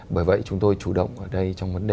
bởi vậy chúng tôi chủ động ở đây trong vấn đề